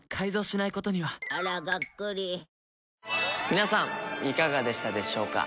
皆さんいかがでしたでしょうか？